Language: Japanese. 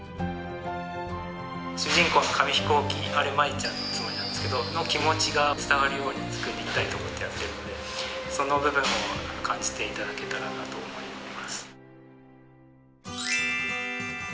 主人公の紙飛行機あれ舞ちゃんのつもりなんですけど気持ちが伝わるように作りたいと思ってやってるのでその部分を感じていただけたらなと思います。